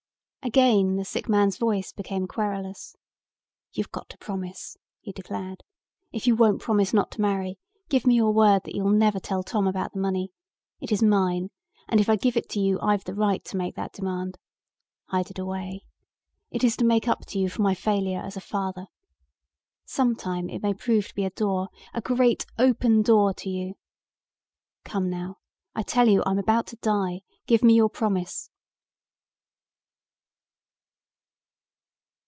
Again the sick man's voice became querulous. "You've got to promise," he declared. "If you won't promise not to marry, give me your word that you'll never tell Tom about the money. It is mine and if I give it to you I've the right to make that demand. Hide it away. It is to make up to you for my failure as a father. Some time it may prove to be a door, a great open door to you. Come now, I tell you I'm about to die, give me your promise."